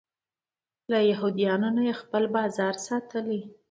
له یهودیانو نه یې خپل بازار ساتلی.